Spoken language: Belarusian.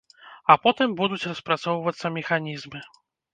А потым будуць распрацоўвацца механізмы.